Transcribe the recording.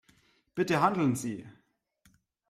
Bitte handeln Sie!